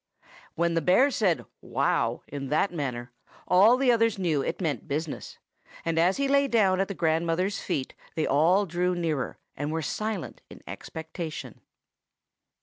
When the bear said "Wow" in that manner, all the others knew it meant business; and as he lay down at the grandmother's feet, they all drew nearer, and were silent in expectation.